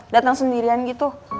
dateng sendirian gitu